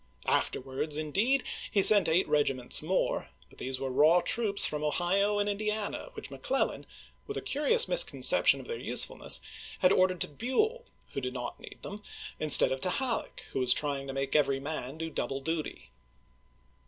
Afterwards, indeed, he sent eight regiments more ; but these were raw troops from Ohio and Indiana which McClellan, with curious misconception of their usefulness, had ordered to Buell, who did not need them, instead of to Halleck, who was trying to make every man do double duty.